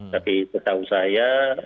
tapi setahu saya